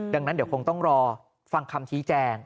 ดังนั้นเดี๋ยวคงต้องรอฟังคำชี้แจง